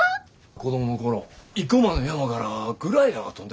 子供の頃生駒の山からグライダーが飛んでてな。